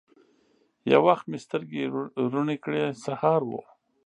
یو وخت مې سترګي روڼې کړې ! سهار و